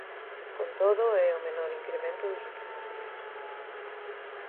Con todo, é o menor incremento dos últimos días.